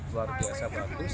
luar biasa bagus